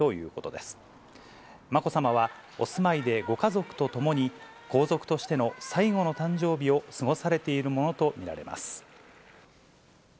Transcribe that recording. まこさまは、お住まいでご家族と共に、皇族としての最後の誕生日を過ごされているものと見られます。